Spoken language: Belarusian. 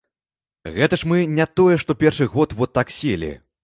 Гэта ж мы не тое што першы год во так селі.